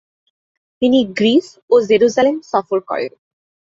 তিনি গ্রিস ও জেরুজালেম সফর করেন।